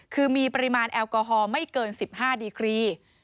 คือมีปริมาณแอลกอฮอล์ไม่เกิน๑๕ดีกรี